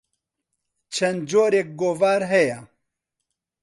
چەند جۆرێک گۆڤار هەیە.